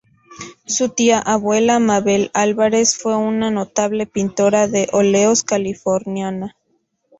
Su tía abuela, Mabel Alvarez, fue una notable pintora de óleos californiana.